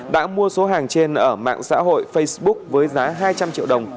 đã mua số hàng trên ở mạng xã hội facebook với giá hai trăm linh triệu đồng